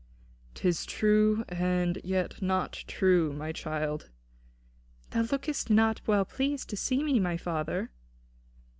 "'Tis true and yet not true, my child." "Thou lookest not well pleased to see me, my father."